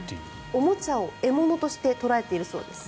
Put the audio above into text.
おもちゃを獲物として捉えているそうです。